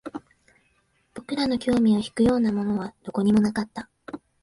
僕らの興味を引くようなものはどこにもなかった